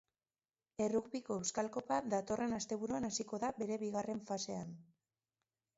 Errugbiko euskal kopa datorren asteburuan hasiko da bere bigarren fasean.